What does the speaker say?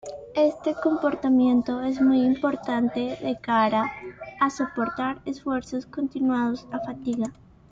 Este comportamiento es muy importante de cara a soportar esfuerzos continuados a fatiga.